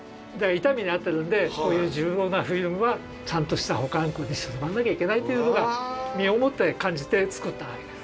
痛い目に遭ってるんでこういう重要なフィルムはちゃんとした保管庫にしまわなきゃいけないっていうのが身をもって感じて作ったわけです。